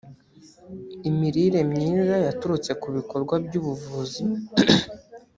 imilire myiza yaturutse ku bikorwa by’ ubuvuzi